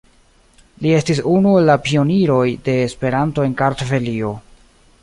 Li estis unu el la pioniroj de Esperanto en Kartvelio.